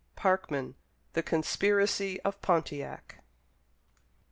Parkman: "The Conspiracy of Pontiac."